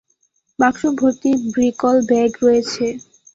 বাক্স ভর্তি ব্রিকলব্যাক রয়েছে!